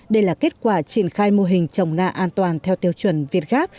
đây là kết quả triển khai mô hình trồng na an toàn theo tiêu chuẩn việt gáp